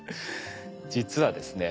実はですね